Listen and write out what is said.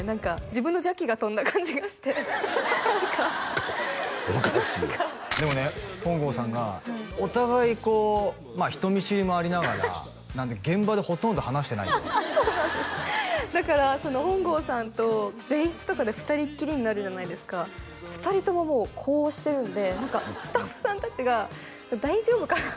自分の邪気が飛んだ感じがして何かおかしいよでもね本郷さんがお互いこう人見知りもありながらなんで現場でほとんど話してないとそうなんですだから本郷さんと前室とかで２人っきりになるじゃないですか２人とももうこうしてるんで何かスタッフさん達が大丈夫かな？